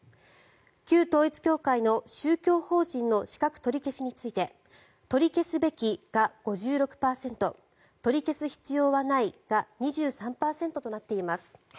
旧統一教会の宗教法人の資格取り消しについて取り消すべきが５６％取り消す必要はないが２３％となっています。